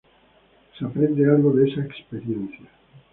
Se aprende algo de esa experiencia.